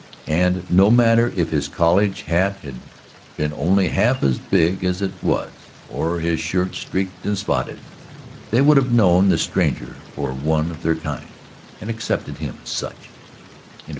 And no matter if his college hat had been only half as big as it was, or his shirt ring streaked and spotted, they would have known the stranger for one of their kind, and accepted him as such.